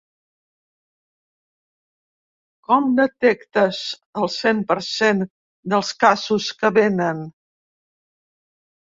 Com detectes el cent per cent dels casos que vénen?